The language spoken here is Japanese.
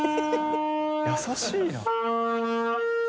優しいな。）